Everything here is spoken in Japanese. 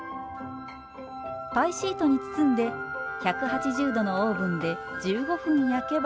パイシートに包んで１８０℃のオーブンで１５分焼けば。